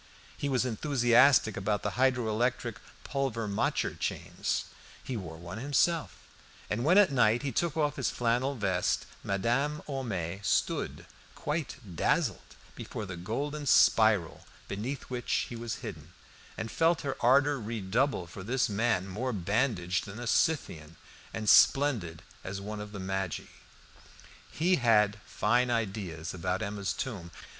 He was enthusiastic about the hydro electric Pulvermacher chains; he wore one himself, and when at night he took off his flannel vest, Madame Homais stood quite dazzled before the golden spiral beneath which he was hidden, and felt her ardour redouble for this man more bandaged than a Scythian, and splendid as one of the Magi. He had fine ideas about Emma's tomb.